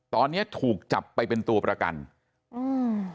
ตอนเนี้ยถูกจับไปเป็นตัวประกันอืม